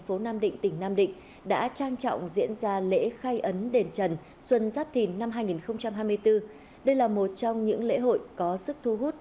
phố nam định tỉnh nam định đã trang trọng diễn ra lễ khai ấn đền trần xuân giáp thìn năm hai nghìn hai mươi bốn đây là một trong những lễ hội có sức thu hút